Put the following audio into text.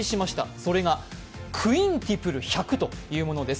それがクインティプル１００というものです。